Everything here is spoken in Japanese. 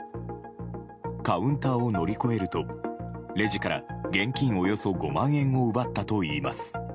カウンターを乗り越えるとレジから現金およそ５万円を奪ったといいます。